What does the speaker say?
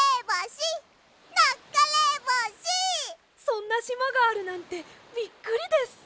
そんなしまがあるなんてびっくりです！